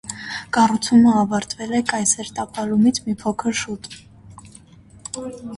Կառուցումը ավարտվել է կայսեր տապալումից մի փոքր շուտ։